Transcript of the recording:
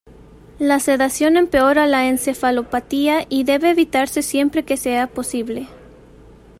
La sedación empeora la encefalopatía y debe evitarse siempre que sea posible.